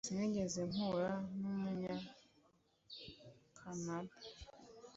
Sinigeze mpura numunyakanada